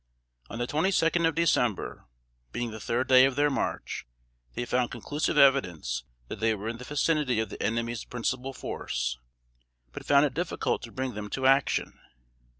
On the twenty second of December, being the third day of their march, they found conclusive evidence that they were in the vicinity of the enemies' principal force, but found it difficult to bring them to action.